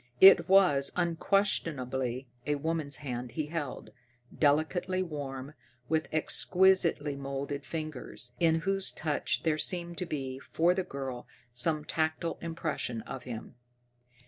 It was unquestionably a woman's hand he held, delicately warm, with exquisitely moulded fingers, in whose touch there seemed to be, for the girl, some tactile impression of him.